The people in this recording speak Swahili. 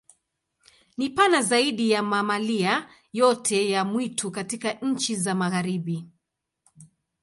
Ni pana zaidi ya mamalia yoyote ya mwitu katika nchi za Magharibi.